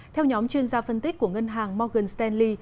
theo nhóm chuyên gia phân tích của ngân hàng morgan stanley